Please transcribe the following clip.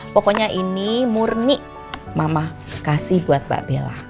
pokoknya ini murni mama kasih buat mbak bella